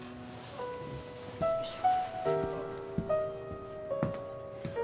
よいしょ。